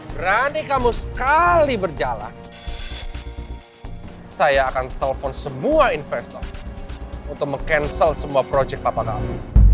berani kamu sekali berjalan saya akan telpon semua investor untuk meng cancel semua proyek papa kamu